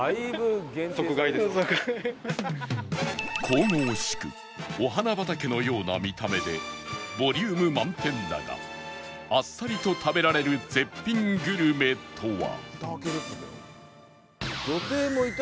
神々しくお花畑のような見た目でボリューム満点だがあっさりと食べられる絶品グルメとは？